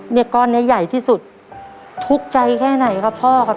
เนี่ยก้อนนี้ใหญ่ที่สุดทุกข์ใจแค่ไหนครับพ่อครับ